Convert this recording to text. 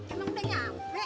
emang udah nyampe